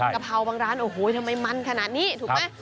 กะเพราบางร้านโอ้โหทำไมมันขนาดนี้ถูกไหม